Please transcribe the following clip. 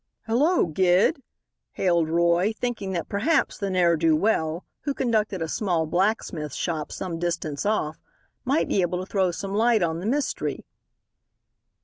"Hello, Gid," hailed Roy, thinking that perhaps the ne'er do well, who conducted a small blacksmith shop some distance off, might be able to throw some light on the mystery.